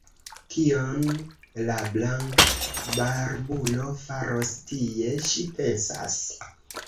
Kion la blankbarbulo faros tie? ŝi pensas.